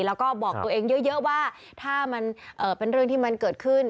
แล้วก็บอกตัวเองเยอะว่าถ้ามันเป็นเรื่องที่มันเกิดขึ้น